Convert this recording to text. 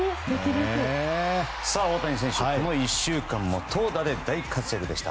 大谷選手、この１週間も投打で大活躍でした。